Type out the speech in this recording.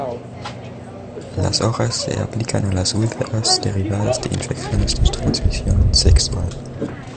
Las hojas se aplican a las úlceras derivadas de infecciones de transmisión sexual.